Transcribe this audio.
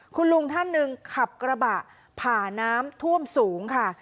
คุณลุงท่านหนึ่งขับกระบะผ่าน้ำท่วมสูงค่ะ